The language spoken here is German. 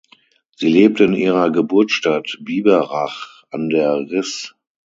Sie lebte in ihrer Geburtsstadt Biberach an der Riß.